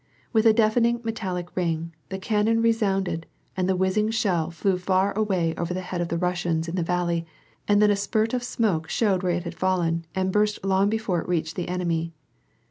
With a deafening metallic ring, the cannon resounded and the whizzing shell flew far away over the head of the Russians in the valley, and then a spirt of smoke showed where it had fallen and burst long before it reached the enemy.